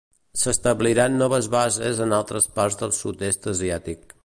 S'establiran noves bases en altres parts del sud-est asiàtic.